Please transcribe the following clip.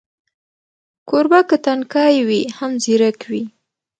کوربه که تنکی وي، هم ځیرک وي.